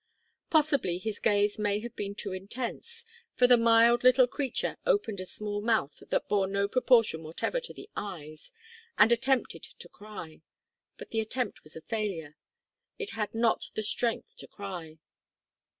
Possibly his gaze may have been too intense, for the mild little creature opened a small mouth that bore no proportion whatever to the eyes, and attempted to cry, but the attempt was a failure. It had not strength to cry.